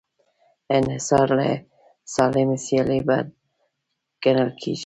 انحصار له سالمې سیالۍ بد ګڼل کېږي.